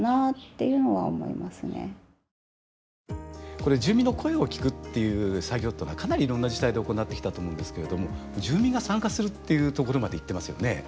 これ住民の声を聞くっていう作業というのはかなりいろんな自治体で行ってきたと思うんですけれども住民が参加するっていうところまでいってますよね。